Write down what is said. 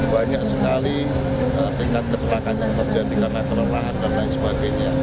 banyak sekali tingkat kecelakaan yang terjadi karena kelemahan dan lain sebagainya